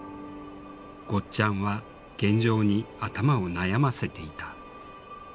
ゴッちゃんは現状に頭を悩ませていた。